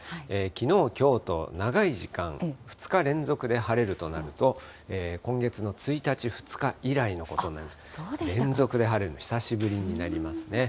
きのう、きょうと、長い時間、２日連続で晴れるとなると、今月の１日、そうでしたか。連続で晴れるの久しぶりになりますね。